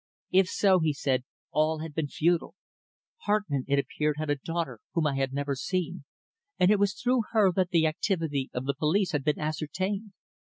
If so, he said, all had been futile. Hartmann, it appeared, had a daughter whom I had never seen, and it was through her that the activity of the police had been ascertained."